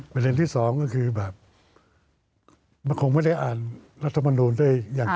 ประแทนที่สองคงไม่ได้อ่านรัฐมนตรีได้หรืออะไร